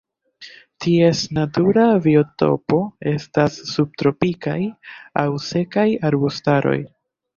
Ties natura biotopo estas subtropikaj aŭ sekaj arbustaroj.